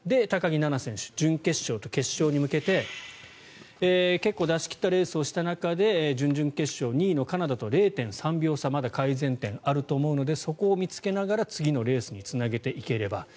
高木菜那選手準決勝と決勝に向けて結構出し切ったレースをした中で準々決勝２位のカナダと０．３秒差まだ改善点あると思うのでそこを見つけながら次のレースにつなげていければ。